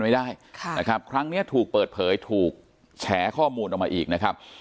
ไม่ได้ค่ะนะครับครั้งนี้ถูกเปิดเผยถูกแฉข้อมูลออกมาอีกนะครับ